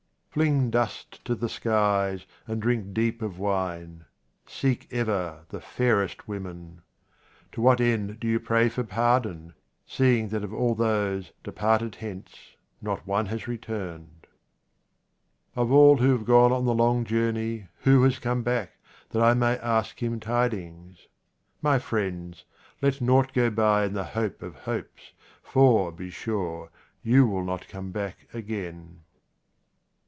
FLING dust to the skies, and drink deep of wine. Seek ever the fairest women. To what 34 QUATRAINS OF OMAR KHAYYAM end do you pray for pardon, seeing that of all those departed hence not one has returned ? OF all who have gone on the long journey, who has come back, that I may ask him tidings ? My friends, let nought go by in the hope of hopes, for, be sure, you will not come back again.